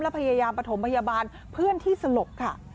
พยายามประถมพยาบาลเพื่อนที่สลบค่ะ